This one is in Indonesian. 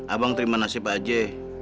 abang terima nasib aja